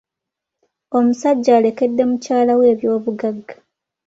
Omsajja alekedde mukyala we ebyobugagga.